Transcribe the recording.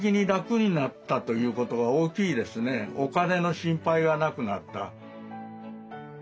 お金の心配がなくなった。